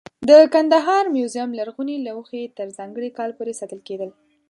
د کندهار موزیم لرغوني لوښي تر ځانګړي کال پورې ساتل کېدل.